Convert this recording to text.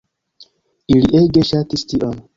Ili ege ŝatis tion.